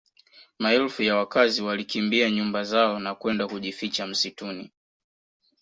Maelfu ya wakazi walikimbia nyumba zao na kwenda kujificha msituni